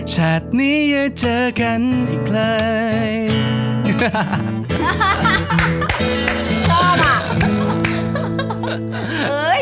ชาตินี้อย่าเจอกันอีกไกล